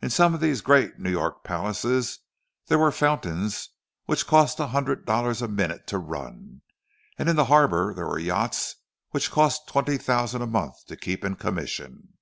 In some of these great New York palaces there were fountains which cost a hundred dollars a minute to run; and in the harbour there were yachts which cost twenty thousand a month to keep in commission.